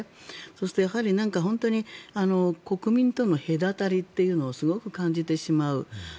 そうすると国民との隔たりというのをすごく感じてしまう。